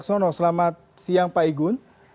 pak wicak sonno selamat siang pak igun